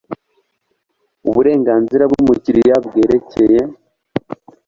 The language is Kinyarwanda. Uburenganzira bw umukiriya bwerekeye